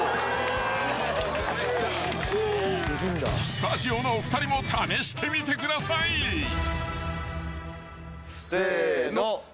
［スタジオのお二人も試してみてください］せの。